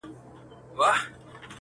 ښوره زاره مځکه نه کوي ګلونه,